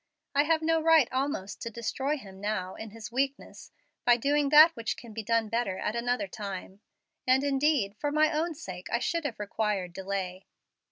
I have no right almost to destroy him now in his weakness by doing that which can be done better at another time; and indeed, for my own sake, I should have required delay."